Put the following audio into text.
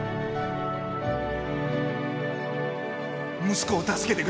息子を助けてください。